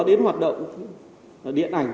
đến hoạt động điện ảnh